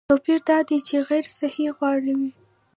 توپیر دا دی چې غیر صحي غوراوي